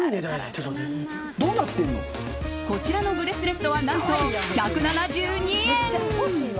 こちらのブレスレットは何と、１７２円。